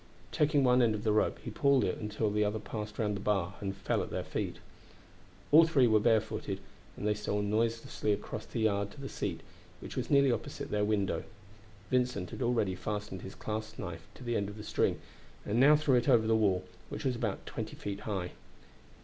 Taking one end of the rope, he pulled it until the other passed round the bar and fell at their feet. All three were barefooted, and they stole noiselessly across the yard to the seat, which was nearly opposite their window. Vincent had already fastened his clasp knife to the end of the string, and he now threw it over the wall, which was about twenty feet high.